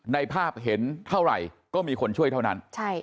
ในภาพเห็นเท่าไหร่ก็มีคนช่วยเท่านั้น